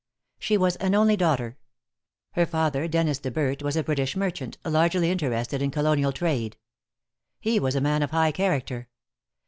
She was an only daughter. Her father, Dennis De Berdt, was a British merchant, largely interested in colonial trade. He was a man of high character.